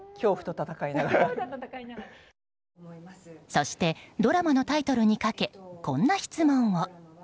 そしてドラマのタイトルにかけこんな質問を。